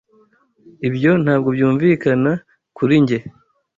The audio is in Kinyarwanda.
Ibyo ntabwo byumvikana kuri njye.